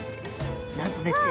なんとですね